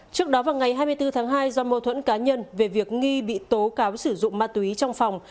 trước đó vào ngày hai mươi bốn tháng hai do mâu thuẫn cá nhân về việc nghi bị tố cáo sử dụng ma túy trong phòng